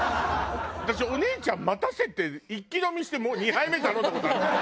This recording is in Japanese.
私お姉ちゃん待たせて一気飲みしてもう２杯目頼んだ事あるから。